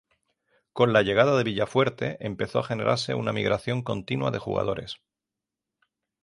Con la llegada de Villafuerte, empezó a generarse una migración continua de jugadores.